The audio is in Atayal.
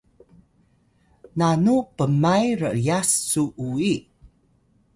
yaya: nanu pmay r’yas su uyi